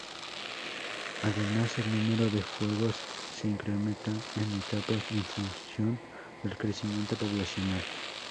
Además, el número de fuegos se incrementa en etapas en función del crecimiento poblacional.